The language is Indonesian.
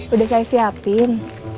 udah saya siapin